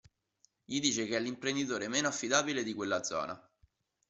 Gli dice che è l'imprenditore meno affidabile di quella zona.